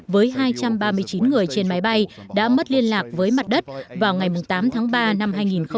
với hai trăm ba mươi chín người trên máy bay đã mất liên lạc với mặt đất vào ngày tám tháng ba năm hai nghìn hai mươi